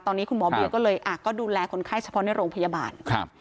ตอนนี้คุณหมอเบียก็เลยอ่ะก็ดูแลคนไข้เฉพาะในโรงพยาบาลครับ